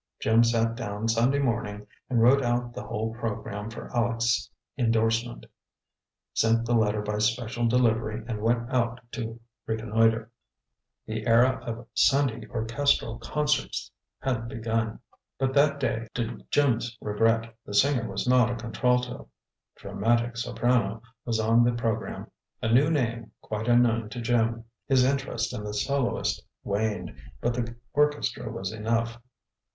Jim sat down Sunday morning and wrote out the whole program for Aleck's endorsement, sent the letter by special delivery and went out to reconnoiter. The era of Sunday orchestral concerts had begun, but that day, to Jim's regret, the singer was not a contralto. "Dramatic Soprano" was on the program; a new name, quite unknown to Jim. His interest in the soloist waned, but the orchestra was enough.